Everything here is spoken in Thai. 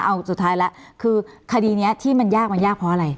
เอาสุดท้ายแล้วคือคดีนี้ที่มันยากมันยากเพราะอะไร